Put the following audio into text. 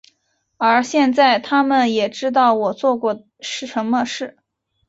而现在他们也知道我做过什么事。